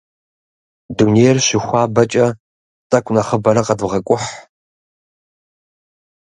Дунейр щыхуабэкӏэ, тӏэкӏу нэхъыбэрэ къэдывгъэкӏухь.